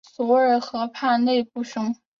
索尔河畔勒布雄。